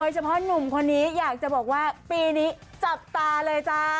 เฉพาะหนุ่มคนนี้อยากจะบอกว่าปีนี้จับตาเลยจ้า